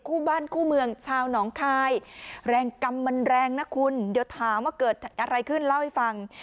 คู่บ้านคู่เมืองชาวหนองคายแรงกรรมมันแรงนะคุณเดี๋ยวถามว่าเกิดอะไรขึ้นเล่าให้ฟัง